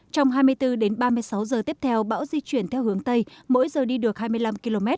trong hai mươi bốn đến ba mươi sáu giờ tiếp theo bão di chuyển theo hướng tây mỗi giờ đi được hai mươi năm km